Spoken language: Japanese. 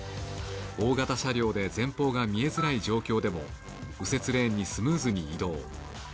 大型車両で前方が見えづらい状況でも右折レーンにスムーズに移動。